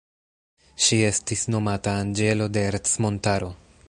Ŝi estis nomata anĝelo de Ercmontaro.